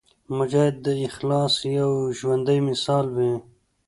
مجاهد د اخلاص یو ژوندی مثال وي.